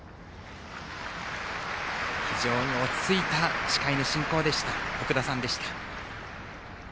非常に落ち着いた司会の進行、奥田さんでした。